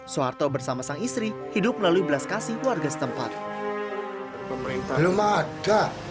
soeharto bersama sang istri hidup melalui belas kasih warga setempat pemerintah